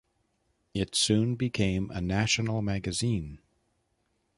It soon became a national magazine.